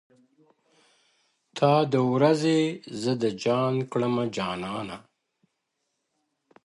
تا د ورځي زه د ځان كړمه جانـانـه ـ